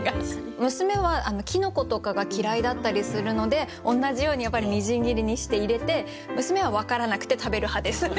娘はキノコとかが嫌いだったりするので同じようにやっぱり微塵切りにして入れて娘は分からなくて食べる派です。